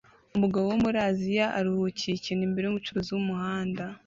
Umugabo wo muri Aziya aruhukiye ikintu imbere yumucuruzi wumuhanda